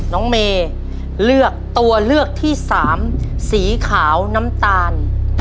น้องเมย์เลือกตัวเลือกที่สามสีขาวน้ำตาล